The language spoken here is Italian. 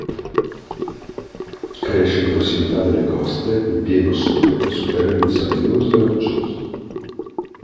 Cresce in prossimità delle coste, in pieno sole, su terreni sabbiosi o rocciosi.